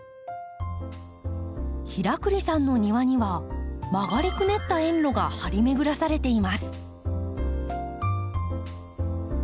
平栗さんの庭には曲がりくねった園路が張り巡らされています。